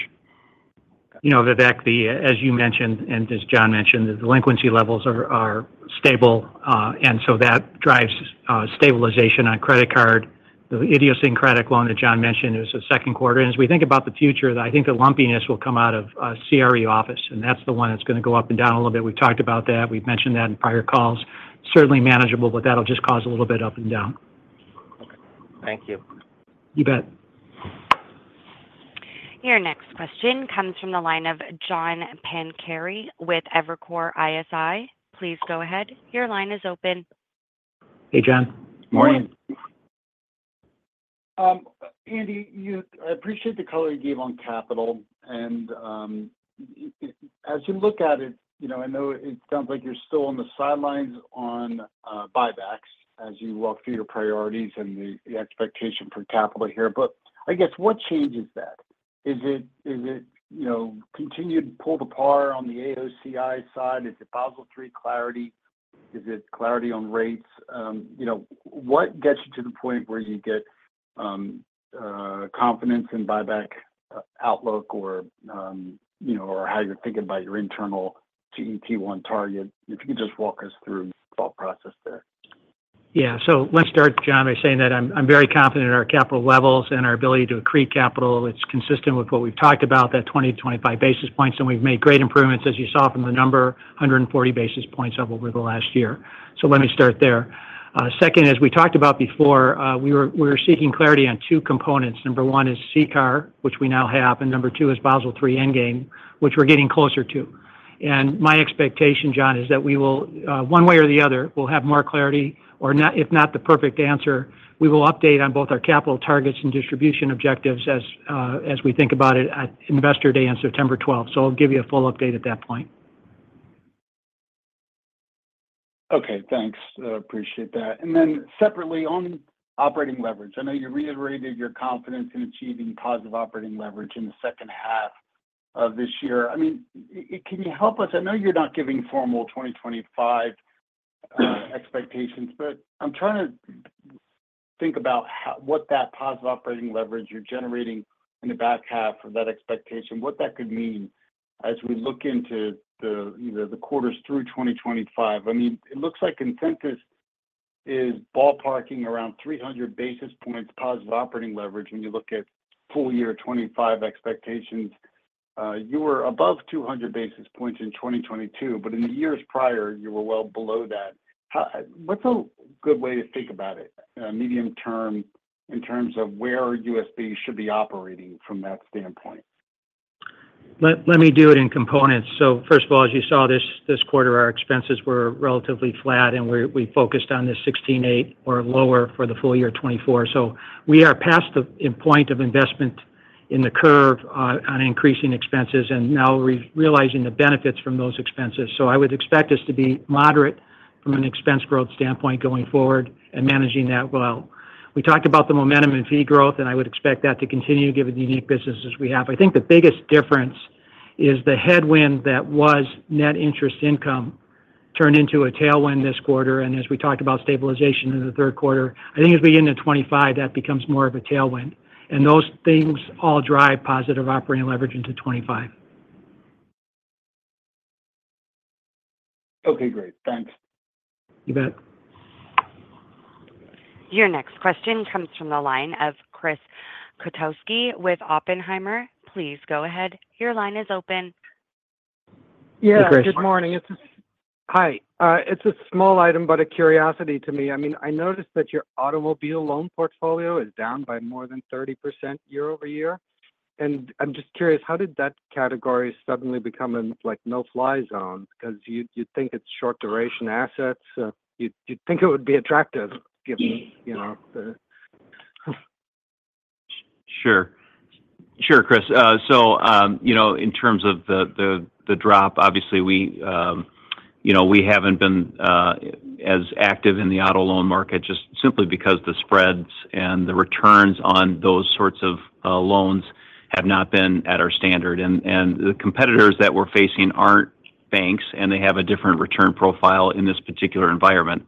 You know, Vivek, as you mentioned, and as John mentioned, the delinquency levels are stable, and so that drives stabilization on credit card. The idiosyncratic loan that John mentioned is the second quarter. As we think about the future, I think the lumpiness will come out of CRE office, and that's the one that's going to go up and down a little bit. We've talked about that. We've mentioned that in prior calls. Certainly manageable, but that'll just cause a little bit up and down. Okay. Thank you. You bet. Your next question comes from the line of John Pancari with Evercore ISI. Please go ahead. Your line is open. Hey, John. Morning. Andy, you—I appreciate the color you gave on capital, and as you look at it, you know, I know it sounds like you're still on the sidelines on buybacks as you walk through your priorities and the expectation for capital here. But I guess, what changes that? Is it, you know, continued pull to par on the AOCI side? Is it Basel III clarity? Is it clarity on rates? You know, what gets you to the point where you get confidence in buyback outlook or, you know, or how you're thinking about your internal CET1 target? If you could just walk us through the thought process there. Yeah. So let's start, John, by saying that I'm very confident in our capital levels and our ability to accrete capital. It's consistent with what we've talked about, that 20-25 basis points, and we've made great improvements, as you saw from the number, 140 basis points over the last year. So let me start there. Second, as we talked about before, we're seeking clarity on two components. Number one is CCAR, which we now have, and number two is Basel III Endgame, which we're getting closer to. And my expectation, John, is that we will, one way or the other, we'll have more clarity or not, if not the perfect answer, we will update on both our capital targets and distribution objectives as, as we think about it at Investor Day on September twelfth. I'll give you a full update at that point. Okay, thanks. I appreciate that. And then separately, on operating leverage, I know you reiterated your confidence in achieving positive operating leverage in the second half of this year. I mean, can you help us? I know you're not giving formal 2025 expectations, but I'm trying to think about what that positive operating leverage you're generating in the back half of that expectation, what that could mean as we look into the, you know, the quarters through 2025. I mean, it looks like consensus is ballparking around 300 basis points positive operating leverage when you look at full year 2025 expectations. You were above 200 basis points in 2022, but in the years prior, you were well below that. How? What's a good way to think about it, medium term, in terms of where USB should be operating from that standpoint? Let me do it in components. So first of all, as you saw this quarter, our expenses were relatively flat, and we focused on the 16.8 or lower for the full year 2024. So we are past the inflection point in the curve on increasing expenses, and now we're realizing the benefits from those expenses. So I would expect us to be moderate from an expense growth standpoint going forward and managing that well. We talked about the momentum in fee growth, and I would expect that to continue given the unique businesses we have. I think the biggest difference is the headwind that was net interest income turned into a tailwind this quarter. And as we talked about stabilization in the third quarter, I think as we get into 2025, that becomes more of a tailwind. Those things all drive positive operating leverage into 2025. Okay, great. Thanks. You bet. Your next question comes from the line of Chris Kotowski with Oppenheimer. Please go ahead. Your line is open. Hey, Chris. Yeah, good morning. It's a, hi. It's a small item, but a curiosity to me. I mean, I noticed that your automobile loan portfolio is down by more than 30% year-over-year. And I'm just curious, how did that category suddenly become a, like, no-fly zone? Because you'd, you'd think it's short-duration assets. You'd, you'd think it would be attractive, given, you know, the- Sure. Sure, Chris. So, you know, in terms of the drop, obviously, we, you know, we haven't been as active in the auto loan market just simply because the spreads and the returns on those sorts of loans have not been at our standard. And the competitors that we're facing aren't banks, and they have a different return profile in this particular environment.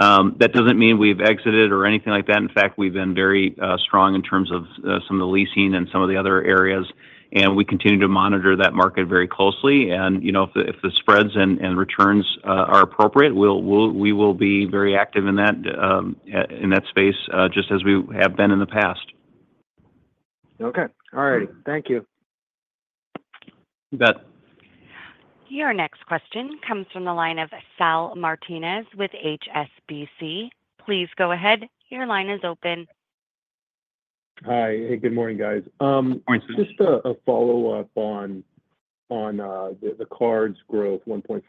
That doesn't mean we've exited or anything like that. In fact, we've been very strong in terms of some of the leasing and some of the other areas... and we continue to monitor that market very closely. And, you know, if the spreads and returns are appropriate, we will be very active in that space, just as we have been in the past. Okay. All right. Thank you. You bet. Your next question comes from the line of Saul Martinez with HSBC. Please go ahead. Your line is open. Hi, good morning, guys. Good morning, Sal. Just a follow-up on the cards growth 1.4%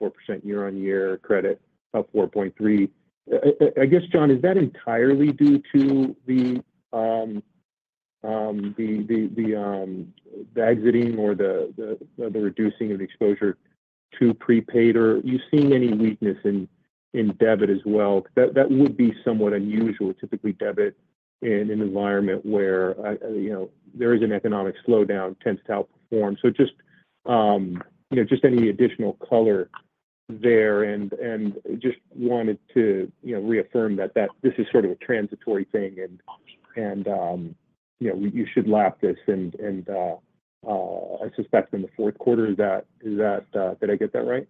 year-on-year, credit up 4.3%. I guess, John, is that entirely due to the exiting or the reducing of exposure to prepaid? Or are you seeing any weakness in debit as well? That would be somewhat unusual. Typically, debit in an environment where you know there is an economic slowdown tends to outperform. So just any additional color there. And just wanted to reaffirm that this is sort of a transitory thing, and you know you should lap this. And I suspect in the fourth quarter, that is that right? Did I get that right?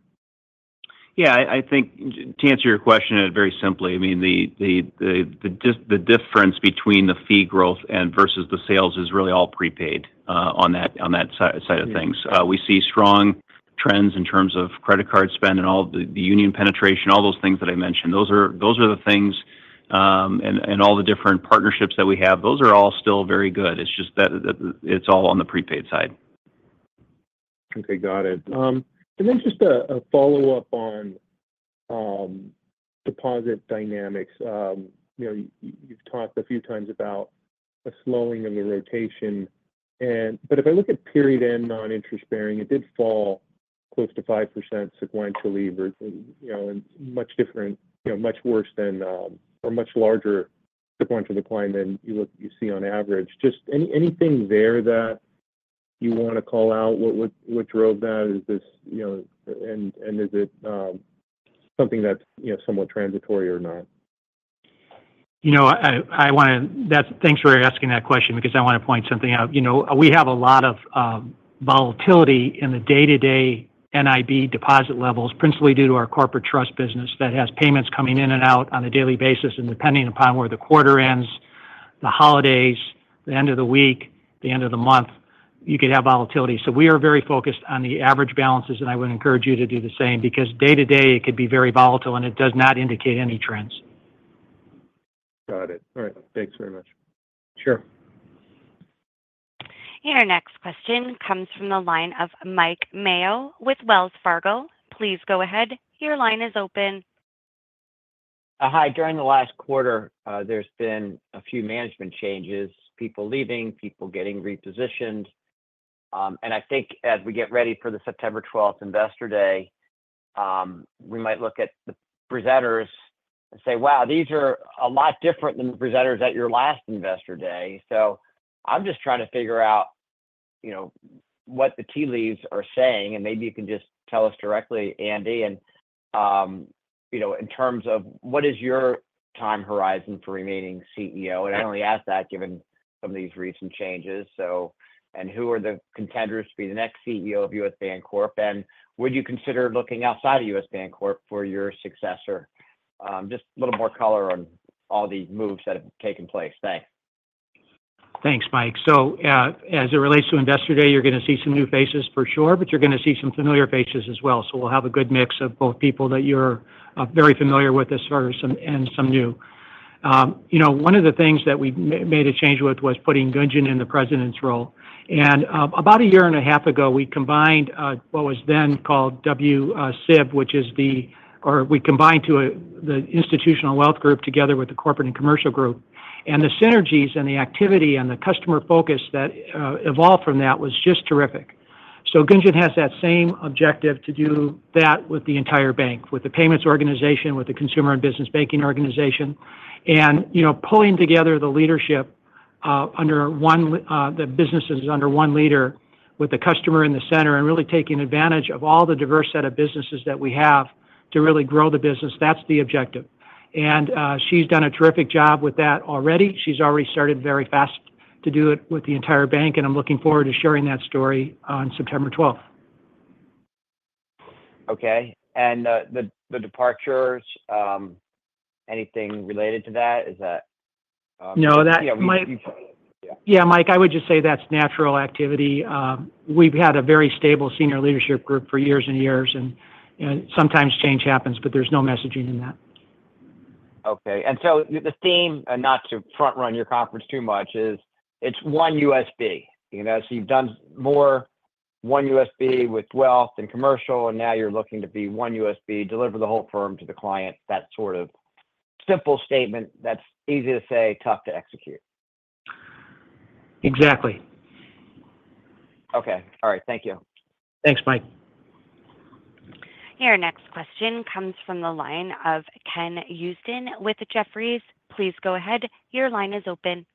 Yeah, I think to answer your question very simply, I mean, the difference between the fee growth and versus the sales is really all prepaid on that side of things. Yeah. We see strong trends in terms of credit card spend and all the Union penetration, all those things that I mentioned. Those are the things, and all the different partnerships that we have, those are all still very good. It's just that, it's all on the prepaid side. Okay, got it. And then just a follow-up on deposit dynamics. You know, you've talked a few times about a slowing of the rotation and—but if I look at period end non-interest bearing, it did fall close to 5% sequentially or, you know, much different, you know, much worse than, or much larger sequential decline than you look, you see on average. Just anything there that you want to call out? What drove that? Is this, you know... And is it something that's, you know, somewhat transitory or not? You know, I want to. Thanks for asking that question because I want to point something out. You know, we have a lot of volatility in the day-to-day NIB deposit levels, principally due to our corporate trust business that has payments coming in and out on a daily basis, and depending upon where the quarter ends, the holidays, the end of the week, the end of the month, you could have volatility. So we are very focused on the average balances, and I would encourage you to do the same, because day-to-day, it could be very volatile, and it does not indicate any trends. Got it. All right. Thanks very much. Sure. Our next question comes from the line of Mike Mayo with Wells Fargo. Please go ahead. Your line is open. Hi. During the last quarter, there's been a few management changes, people leaving, people getting repositioned. And I think as we get ready for the September twelfth investor day, we might look at the presenters and say, "Wow, these are a lot different than the presenters at your last investor day." So I'm just trying to figure out, you know, what the tea leaves are saying, and maybe you can just tell us directly, Andy. And, you know, in terms of what is your time horizon for remaining CEO? And I only ask that given some of these recent changes. So, who are the contenders to be the next CEO of U.S. Bancorp, and would you consider looking outside of U.S. Bancorp for your successor? Just a little more color on all the moves that have taken place. Thanks. Thanks, Mike. So, as it relates to investor day, you're gonna see some new faces for sure, but you're gonna see some familiar faces as well. So we'll have a good mix of both people that you're very familiar with as far as some and some new. You know, one of the things that we made a change with was putting Gunjan in the president's role. And, about a year and a half ago, we combined what was then called WSIB, which is the. Or we combined the institutional wealth group together with the corporate and commercial group. And the synergies and the activity and the customer focus that evolved from that was just terrific. So Gunjan has that same objective to do that with the entire bank, with the payments organization, with the consumer and business banking organization. You know, pulling together the leadership under one, the businesses under one leader, with the customer in the center, and really taking advantage of all the diverse set of businesses that we have to really grow the business, that's the objective. She's done a terrific job with that already. She's already started very fast to do it with the entire bank, and I'm looking forward to sharing that story on September twelfth. Okay. And the departures, anything related to that? Is that- No, that might- Yeah. Yeah, Mike, I would just say that's natural activity. We've had a very stable senior leadership group for years and years, and sometimes change happens, but there's no messaging in that. Okay. And so the theme, and not to front run your conference too much, is it's one USB. You know, so you've done more one USB with wealth and commercial, and now you're looking to be one USB, deliver the whole firm to the client. That sort of simple statement, that's easy to say, tough to execute. Exactly. Okay. All right. Thank you. Thanks, Mike. Your next question comes from the line of Ken Usdin with Jefferies. Please go ahead. Your line is open.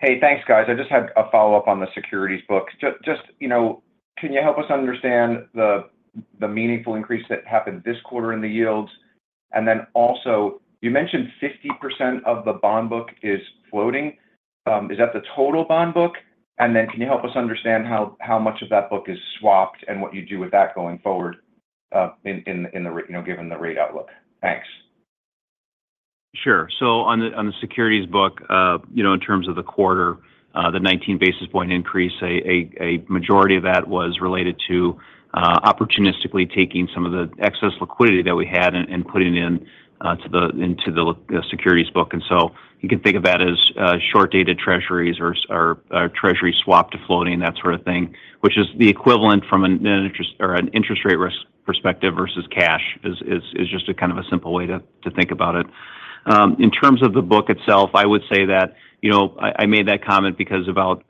Hey, thanks, guys. I just had a follow-up on the securities book. Just, you know, can you help us understand the meaningful increase that happened this quarter in the yields? And then also, you mentioned 50% of the bond book is floating. Is that the total bond book? And then can you help us understand how much of that book is swapped and what you do with that going forward, you know, given the rate outlook? Thanks. Sure. So on the securities book, you know, in terms of the quarter, the 19 basis point increase, a majority of that was related to opportunistically taking some of the excess liquidity that we had and putting it into the securities book. And so you can think of that as short-dated treasuries or treasury swap to floating, that sort of thing, which is the equivalent from an interest rate risk perspective versus cash, is just a kind of a simple way to think about it. In terms of the book itself, I would say that, you know, I made that comment because about,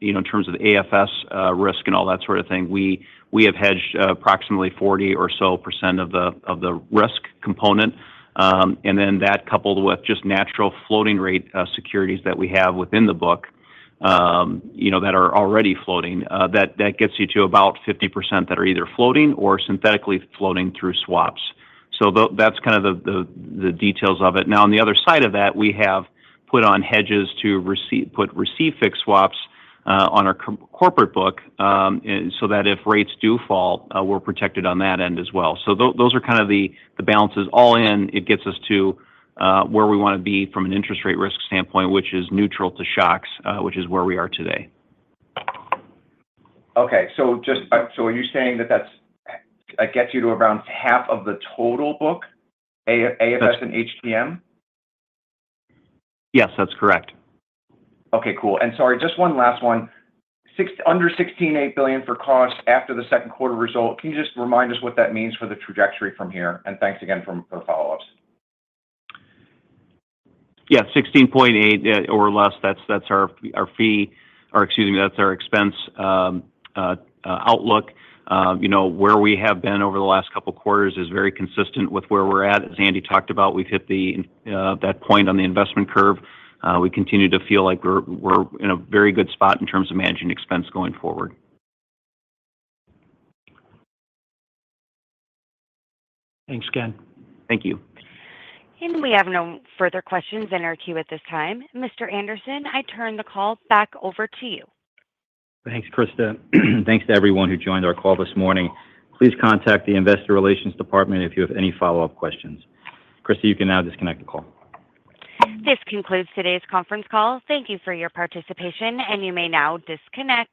you know, in terms of AFS risk and all that sort of thing, we have hedged approximately 40 or so percent of the risk component. And then that coupled with just natural floating rate securities that we have within the book, you know, that are already floating, that gets you to about 50 percent that are either floating or synthetically floating through swaps. So that's kind of the details of it. Now, on the other side of that, we have put on hedges to receive fixed swaps on our corporate book, and so that if rates do fall, we're protected on that end as well. Those are kind of the balances. All in, it gets us to where we want to be from an interest rate risk standpoint, which is neutral to shocks, which is where we are today. Okay. So are you saying that that's gets you to around half of the total book, AFS and HTM? Yes, that's correct. Okay, cool. Sorry, just one last one. $6 billion under $16.8 billion for cost after the second quarter result, can you just remind us what that means for the trajectory from here? Thanks again for the follow-ups. Yeah. $16.8 or less, that's our expense outlook. You know, where we have been over the last couple quarters is very consistent with where we're at. As Andy talked about, we've hit that point on the investment curve. We continue to feel like we're in a very good spot in terms of managing expense going forward. Thanks again. Thank you. We have no further questions in our queue at this time. Mr. Andersen, I turn the call back over to you. Thanks, Krista. Thanks to everyone who joined our call this morning. Please contact the Investor Relations Department if you have any follow-up questions. Krista, you can now disconnect the call. This concludes today's conference call. Thank you for your participation, and you may now disconnect.